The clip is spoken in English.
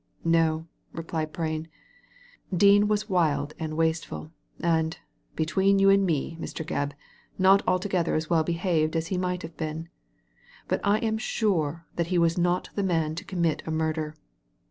No," replied Praia ^ Dean was wild and wasteful, and, between you and me, Mr. Gebb, not altogether as well behaved as he might have been, but I am sure he was not the man to commit a murder.